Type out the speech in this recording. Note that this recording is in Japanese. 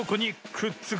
くっつく！